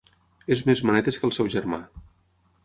És més manetes que el seu germà.